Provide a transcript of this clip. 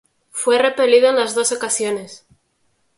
Fue repelido en las dos ocasiones.